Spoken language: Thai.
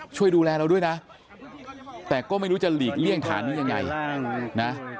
ช่วยดูแลเราด้วยนะแต่ก็ไม่รู้จะหลีกเลี่ยงฐานนี้ยังไงนะ